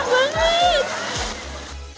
uhuu enak banget